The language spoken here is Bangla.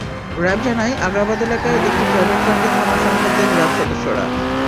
র্যাব জানায়, আগ্রাবাদ এলাকায় একটি প্রাইভেট কারকে থামার সংকেত দেন র্যাব সদস্যরা।